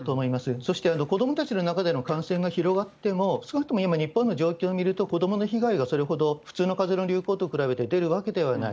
そして、子どもたちの中での感染が広がっても、少なくとも今の日本の状況を見ると、子どもの被害はそれほど普通のかぜの流行と比べて、増えているわけではない。